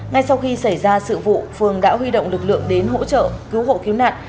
ngay sau khi xảy ra sự vụ phường đã huy động lực lượng đến hỗ trợ cứu hộ cứu nạn